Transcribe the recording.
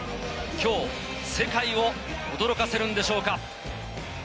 きょう、世界を驚かせるんでしょうか。